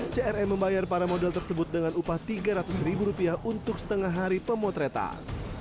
crm membayar para model tersebut dengan upah tiga ratus ribu rupiah untuk setengah hari pemotretan